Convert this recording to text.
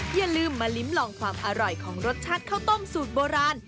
อย่าลืมมาลิ้มลองความอร่อยของรสชาติข้าวต้มสูตรโบราณ